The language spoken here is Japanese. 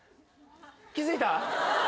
気付いた？